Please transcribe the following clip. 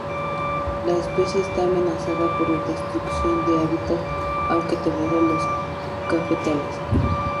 La especie está amenazada por destrucción de hábitat, aunque tolera los cafetales.